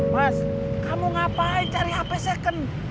mas kamu ngapain cari hp second